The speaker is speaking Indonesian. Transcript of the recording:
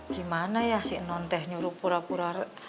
gimana ya si nontek nyuruh pura pura